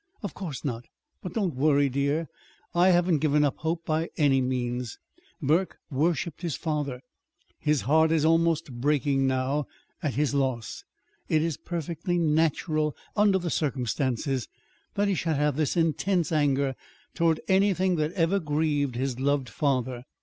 "Of course not. But don't worry, dear. I haven't given up hope, by any means. Burke worshiped his father. His heart is almost breaking now, at his loss. It is perfectly natural, under the circumstances, that he should have this intense anger toward anything that ever grieved his loved father.